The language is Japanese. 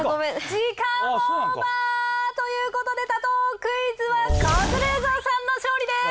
時間オーバー！ということで多答クイズはカズレーザーさんの勝利です！